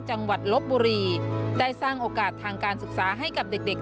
จังหวัดลบบุรีได้สร้างโอกาสทางการศึกษาให้กับเด็ก